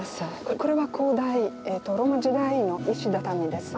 これは古代ローマ時代の石畳です。